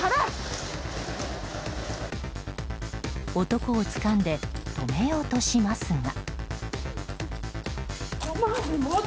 男をつかんで止めようとしますが。